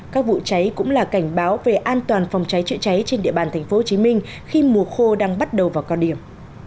các vụ cháy cũng là cảnh báo về an toàn phòng cháy chữa cháy trên địa bàn tp hcm khi mùa khô đang bắt đầu vào cao điểm